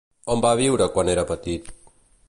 On va viure quan era petit?